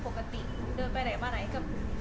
เป็นเรื่องที่นายยินดีนะคะ